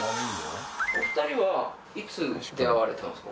お二人はいつ出会われたんですか？